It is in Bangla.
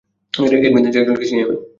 এডমিনদের একজনকে চিনি আমি।